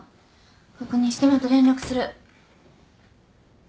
確認してまた連絡する。